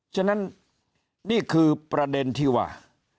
ฉะนั้นนี่คือประเด็นที่ว่า